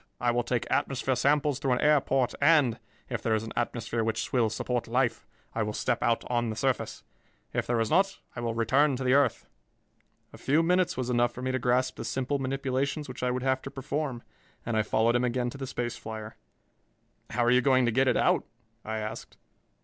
I will take atmosphere samples through an air port and, if there is an atmosphere which will support life, I will step out on the surface. If there is not, I will return to the earth." A few minutes was enough for me to grasp the simple manipulations which I would have to perform, and I followed him again to the space flier. "How are you going to get it out?" I asked.